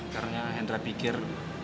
karena hendra pikir